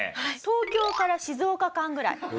東京から静岡間ぐらい。